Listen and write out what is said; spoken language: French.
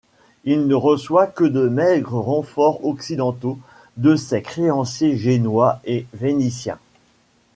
Il ne reçoit que de maigres renforts occidentaux, de ses créanciers génois et vénitiens.